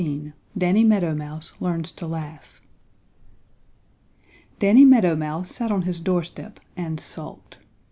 XV DANNY MEADOW MOUSE LEARNS TO LAUGH Danny Meadow Mouse sat on his doorstep and sulked.